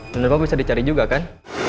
bener bener bisa dicari juga kan